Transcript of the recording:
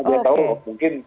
nah dia tahu mungkin